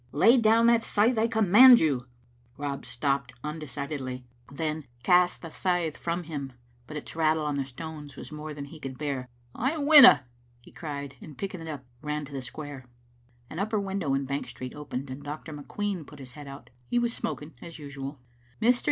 " Lay down that scythe; I command you." Rob stopped undecidedly, then cast the scythe from Digitized by VjOOQ IC 44 JSbc Kittle mtOBUt. him, but its rattle on the stones was more than he could bear. " I winna, " he cried, and, picking it np, ran to the square. An upper window in Bank Street opened, and Dr. McQueen put out his head. He was smoking as usual. "Mr.